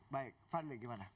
baik fadli gimana